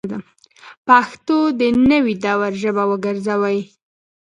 پښتو د نوي دور ژبه وګرځوئ